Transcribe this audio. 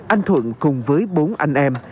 anh thuận cùng với bốn anh em